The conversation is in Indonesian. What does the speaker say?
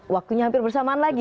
waktunya hampir bersamaan lagi